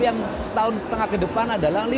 yang setahun setengah ke depan adalah